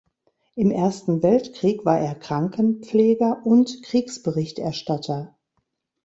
Im Ersten Weltkrieg war er Krankenpfleger und Kriegsberichterstatter.